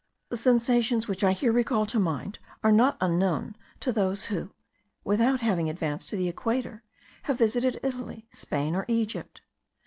The sensations which I here recall to mind are not unknown to those who, without having advanced to the equator, have visited Italy, Spain, or Egypt.